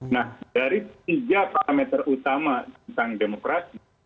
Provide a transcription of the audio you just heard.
nah dari tiga parameter utama tentang demokrasi